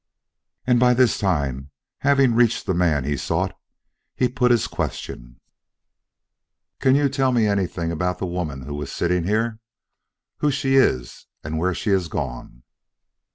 And by this time, having reached the man he sought, he put his question: "Can you tell me anything about the woman who was sitting here? Who she is and where she has gone?"